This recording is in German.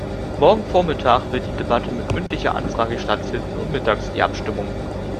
Morgen Vormittag wird die Debatte mit mündlicher Anfrage stattfinden und dann mittags die Abstimmung.